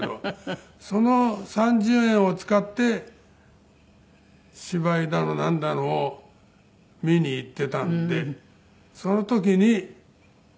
その３０円を使って芝居だのなんだのを見に行っていたのでその時に楽屋へ寄っていけと。